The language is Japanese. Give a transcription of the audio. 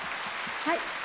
はい。